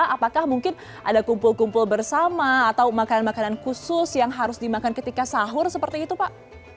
apakah mungkin ada kumpul kumpul bersama atau makanan makanan khusus yang harus dimakan ketika sahur seperti itu pak